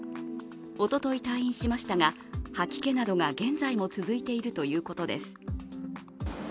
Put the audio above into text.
おととい退院しましたが吐き気などが現在も続いているということです。